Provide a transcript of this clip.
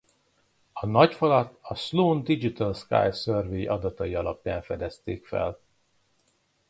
A Nagy Falat a Sloan Digital Sky Survey adatai alapján fedezték fel.